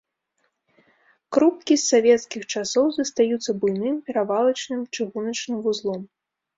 Крупкі з савецкіх часоў застаюцца буйным перавалачным чыгуначным вузлом.